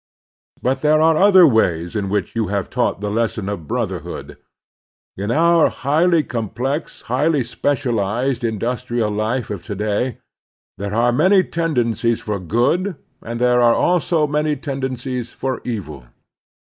But there are other ways in which you have taught the lesson of brotherhood. In our highly complex, highly specialized industrial life of to day there are many tendencies for good and there are also many tendencies for evil.